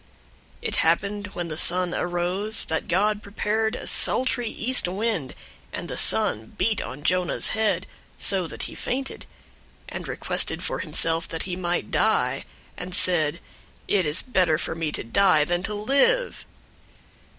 004:008 It happened, when the sun arose, that God prepared a sultry east wind; and the sun beat on Jonah's head, so that he fainted, and requested for himself that he might die, and said, "It is better for me to die than to live."